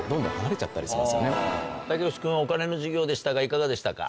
竹内君はお金の授業でしたがいかがでしたか？